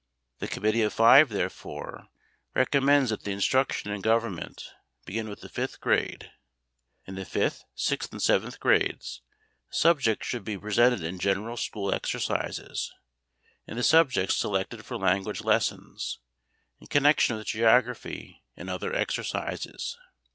The Committee of Five therefore recommends that the instruction in Government begin with the fifth grade. In the fifth, sixth and seventh grades the subject should be presented in general school exercises, in the subjects selected for language lessons, in connection with geography and other exercises.